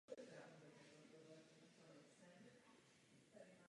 Kvůli tomu je jejich cena vyšší.